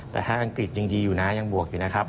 แต่ถ้าอังกฤษยังดีอยู่นะยังบวกอยู่นะครับ